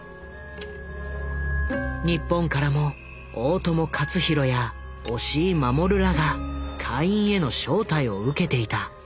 日本からも大友克洋や押井守らが会員への招待を受けていた。